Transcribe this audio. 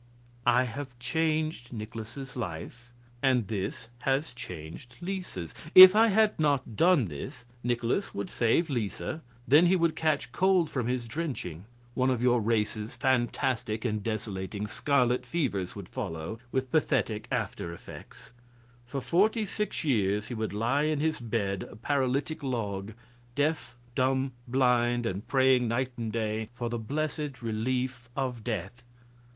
"I have changed Nikolaus's life, and this has changed Lisa's. If I had not done this, Nikolaus would save Lisa, then he would catch cold from his drenching; one of your race's fantastic and desolating scarlet fevers would follow, with pathetic after effects; for forty six years he would lie in his bed a paralytic log, deaf, dumb, blind, and praying night and day for the blessed relief of death.